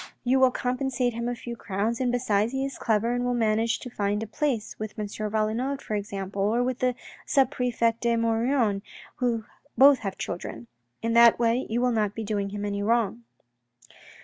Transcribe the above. You will compensate him by a few crowns and besides he is clever and will easily manage to find a place, with M. Valenod for example, or with the sub prefect De Maugiron who both have children. In that way you will not be doing him any wrong.